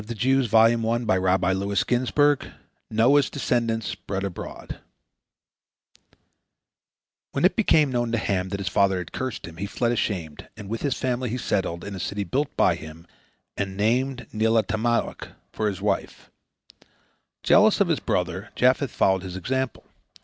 NOAH'S DESCENDANTS SPREAD ABROAD When it became known to Ham that his father had cursed him, he fled ashamed, and with his family he settled in the city built by him, and named Neelatamauk for his wife. Jealous of his brother, Japheth followed his example.